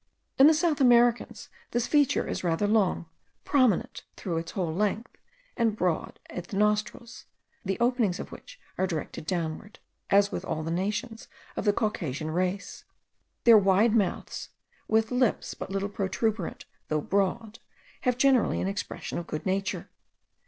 In the South Americans this feature is rather long, prominent through its whole length, and broad at the nostrils, the openings of which are directed downward, as with all the nations of the Caucasian race. Their wide mouths, with lips but little protuberant though broad, have generally an expression of good nature.